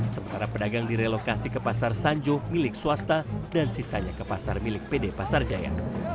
sementara pedagang direlokasi ke pasar sanjo milik swasta dan sisanya ke pasar milik pd pasar jaya